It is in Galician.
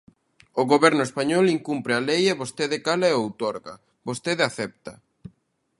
O goberno español incumpre a lei e vostede cala e outorga, vostede acepta.